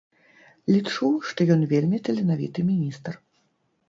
Лічу, што ён вельмі таленавіты міністр.